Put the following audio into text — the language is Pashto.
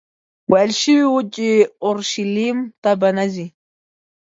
ویل شوي وو چې اورشلیم ته به نه ځې.